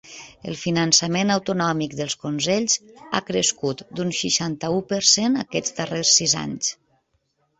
El finançament autonòmic dels consells ha crescut d’un seixanta-u per cent aquests darrers sis anys.